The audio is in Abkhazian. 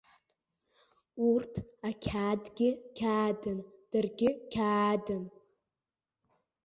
Урҭ, ақьаадгьы қьаадын, даргьы қьаадын.